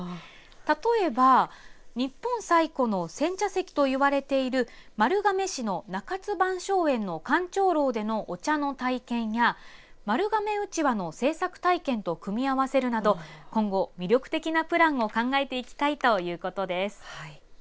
例えば日本最古の煎茶関といわれている丸亀市の中津万象園の観潮楼でのお茶の体験や丸亀うちわの製作体験と組み合わせるなど今後、魅力的なプランを考えていきたいということです。